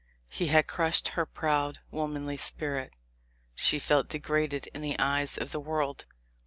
He had crushed her proud, womanly spirit. She felt de graded in the eyes of the world.